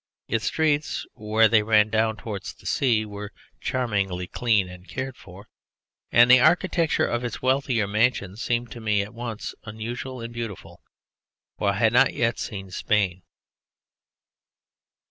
Its streets, where they ran down towards the sea, were charmingly clean and cared for, and the architecture of its wealthier mansions seemed to me at once unusual and beautiful, for I had not yet seen Spain.